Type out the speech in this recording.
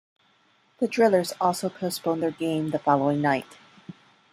The Drillers also postponed their game the following night.